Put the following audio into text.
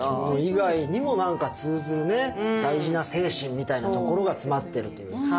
着物以外にも何か通ずるね大事な精神みたいなところが詰まってるという。